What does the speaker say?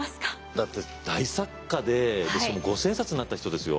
だって大作家でしかも五千円札になった人ですよ？